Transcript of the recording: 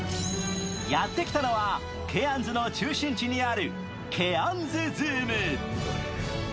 やってきたのはケアンズの中心地にあるケアンズズーム。